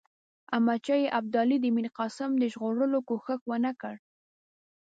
احمدشاه ابدالي د میرقاسم د ژغورلو کوښښ ونه کړ.